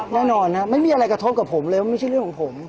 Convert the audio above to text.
แน่นอนนะไม่มีอะไรกระทบกับผมเลยว่าไม่ใช่เรื่องของผม